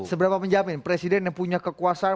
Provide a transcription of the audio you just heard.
seberapa menjawab ini presiden yang punya kekuasaan